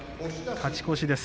勝ち越しです。